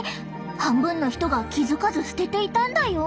半分の人が気付かず捨てていたんだよ。